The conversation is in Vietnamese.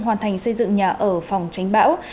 hoàn thành xây dựng nhà ở phòng tránh bão